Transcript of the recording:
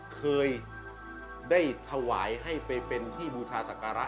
เคยได้ถวายให้ไปเป็นที่บูชาศักระ